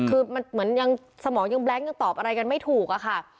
คือมันเหมือนยังสมองยังแล้งยังตอบอะไรกันไม่ถูกอะค่ะ